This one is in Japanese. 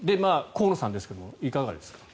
河野さんですが、いかがですか？